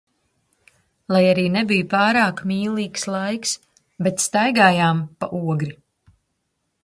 Lai arī nebija pārāk mīlīgs laiks, bet staigājām pa Ogri.